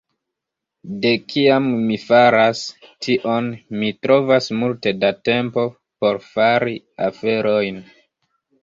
De kiam mi faras tion, mi trovas multe da tempo por fari aferojn.